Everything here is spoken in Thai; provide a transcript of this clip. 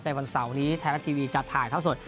ในวันเสาร์วันนี้ไทยลักษณ์ทีวีจัดถ่ายท้าสด